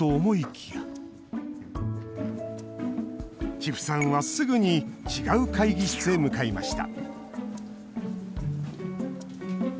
千布さんは、すぐに違う会議室へ向かいました